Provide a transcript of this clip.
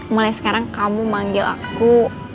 mulai sekarang kamu manggil aku